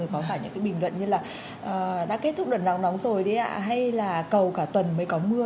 có phải những bình luận như là đã kết thúc đợt nắng nóng rồi đấy ạ hay là cầu cả tuần mới có mưa